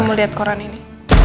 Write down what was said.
kamu liat koran ini